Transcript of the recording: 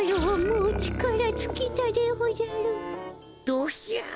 どひゃ。